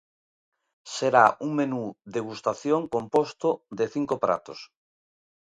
Será un menú degustación composto de cinco pratos.